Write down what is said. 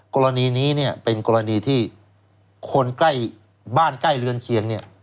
กรณีนี้เนี่ยเป็นกรณีที่คนใกล้บ้านใกล้เรือนเคียงเนี่ย